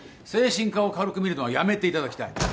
精神科を軽く見るのはやめていただきたい。